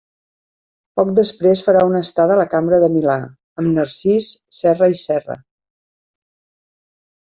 Poc després farà una estada a la Cambra de Milà amb Narcís Serra i Serra.